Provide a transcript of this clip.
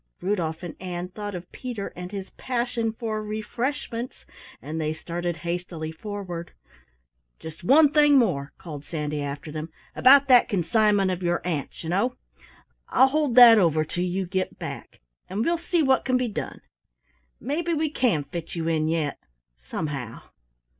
Rudolf and Ann thought of Peter and his passion for "refreshments", and they started hastily forward. "Just one thing more," called Sandy after them. "About that consignment of your aunt's, you know! I'll hold that over till you get back, and we'll see what can be done. Maybe we can fit you in yet, somehow.